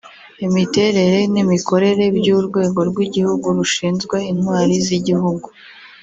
imiterere n’imikorere by’Urwego rw’Igihugu rushinzwe Intwari z’Igihugu